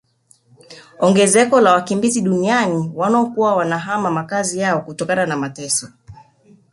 Ongezeko la wakimbizi duniani wanaokuwa wanahama makazi yao kutokana na mateso